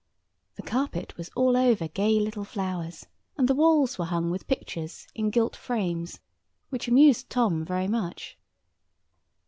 The carpet was all over gay little flowers; and the walls were hung with pictures in gilt frames, which amused Tom very much.